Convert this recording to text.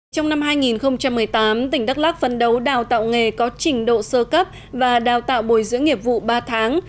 trong năm hai nghìn một mươi tám tỉnh đắk lắc phấn đấu đào tạo nghề có trình độ sơ cấp và đào tạo bồi dưỡng nghiệp vụ ba tháng